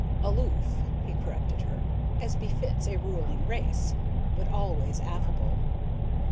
"Aloof," he corrected her, "as befits a ruling race. But always affable."